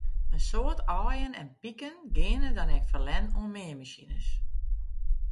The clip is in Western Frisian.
In soad aaien en piken geane dan ek ferlern oan meanmasines.